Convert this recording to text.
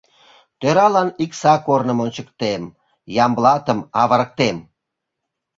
Тӧралан Икса корным ончыктем, Ямблатым авырыктем.